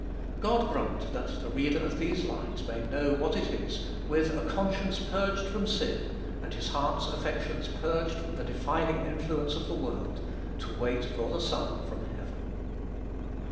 God grant that the reader of these lines may know what it is, with a conscience purged from sin, and his heart's affections purged from the defiling influence of the world, to wait for the Son from heaven.